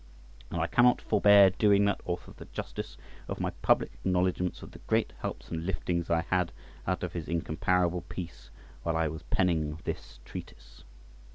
And I cannot forbear doing that author the justice of my public acknowledgments for the great helps and liftings I had out of his incomparable piece while I was penning this treatise.